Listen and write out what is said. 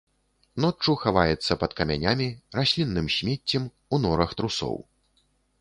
Ноччу хаваецца пад камянямі, раслінным смеццем, у норах трусоў.